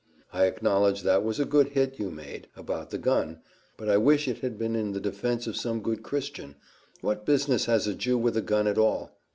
I acknowledge that was a good hit you made, about the gun but I wish it had been in the defence of some good Christian: what business has a Jew with a gun at all?